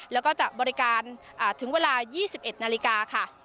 แล้วก็จะบริการถึงเวลา๒๑นาฬิกาค่ะ